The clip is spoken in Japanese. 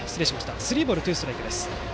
スリーボールツーストライク。